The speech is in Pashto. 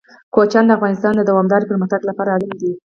کوچیان د افغانستان د دوامداره پرمختګ لپاره اړین دي.